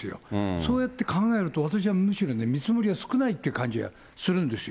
そうやって考えると、私はむしろ、見積もりは少ないって感じはするんですよ。